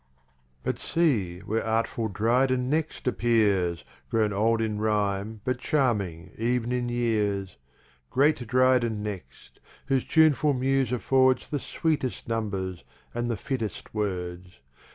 But see where artful Dryden next appears, Grown old in Rhime, but Charming ev'n in Years. Great Dryden next! whose Tuneful Muse affords The sweetest Numbers, and the fittest words.